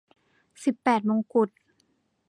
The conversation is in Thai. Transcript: สิบแปดมงกุฎ